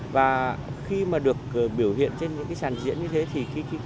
và khi mà được biểu hiện trên những cái sàn diễn như thế thì